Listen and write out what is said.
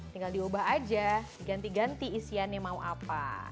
tinggal diubah aja diganti ganti isiannya mau apa